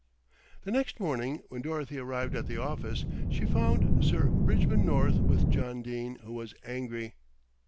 The next morning when Dorothy arrived at the office, she found Sir Bridgman North with John Dene, who was angry.